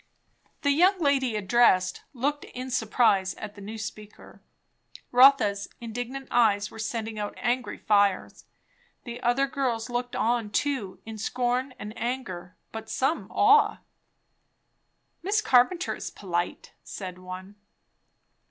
The young lady addressed looked in surprise at the new speaker. Rotha's indignant eyes were sending out angry fires. The other girls looked on too, in scorn and anger, but some awe. "Miss Carpenter is polite!" said one.